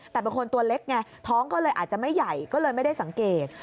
แต่เป็นคนตัวเล็กไงท้องก็เลยอาจจะไม่ใหญ่ก็เลยไม่ได้สังเกต